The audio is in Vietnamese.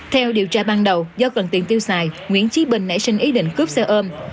theo điều tra ban đầu do cần tiền tiêu xài nguyễn trí bình nảy sinh ý định cướp xe ôm